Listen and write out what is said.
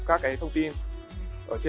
các cái thông tin của các doanh nghiệp